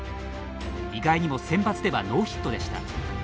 意外にもセンバツではノーヒットでした。